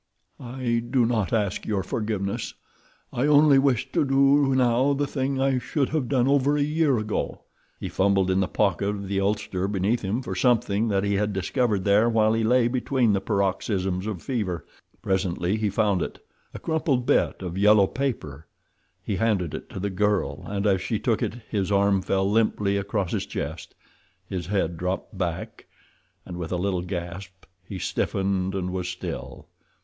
I do not ask your forgiveness. I only wish to do now the thing I should have done over a year ago." He fumbled in the pocket of the ulster beneath him for something that he had discovered there while he lay between the paroxysms of fever. Presently he found it—a crumpled bit of yellow paper. He handed it to the girl, and as she took it his arm fell limply across his chest, his head dropped back, and with a little gasp he stiffened and was still.